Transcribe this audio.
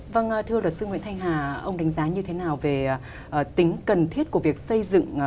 vâng thưa luật sư nguyễn thanh hà ông đánh giá như thế nào về tính cần thiết của việc xây dựng